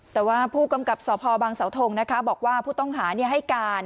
แต่ว่าผู้กำกับสพบังเสาทงนะคะบอกว่าผู้ต้องหาให้การ